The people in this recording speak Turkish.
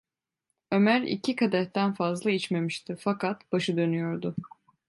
Ömer iki kadehten fazla içmemişti, fakat başı dönüyordu.